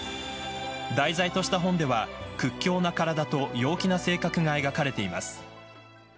題材とした本では屈強な体と陽気な性格が描かれています。